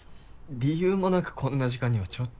理由もなくこんな時間にはちょっと。